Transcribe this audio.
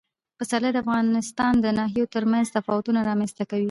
پسرلی د افغانستان د ناحیو ترمنځ تفاوتونه رامنځ ته کوي.